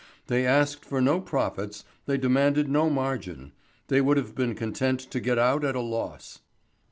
They asked for no profits, they demanded no margin they would have been content to get out at a loss.